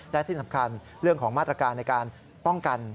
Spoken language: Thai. และที่สำคัญเรื่องของมาตรการในการป้องกัน